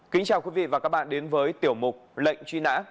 kính chào quý vị và các bạn đến với tiểu mục lệnh truy nã